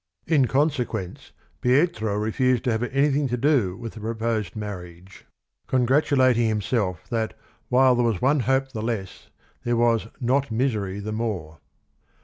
In consequence Pietro re fused to have anything to do with the proposed 30 THE RING AND THE BOOK marriage, congratulating himself that while " there was one hope the less" there was "not misery the more."